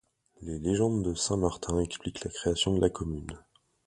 Les légendes de saint Martin expliquent la création de la commune.